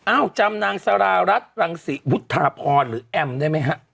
จำนางสารารัฐรังศรีวุฒาพรหรือแอมได้ไหมฮะ